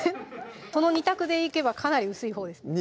その２択でいけばかなり薄いほうですね